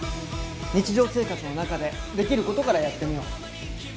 日常生活の中でできることからやってみよう。